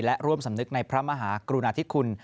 และร่วมสำนึกในพระมหากรุณาธิคุณ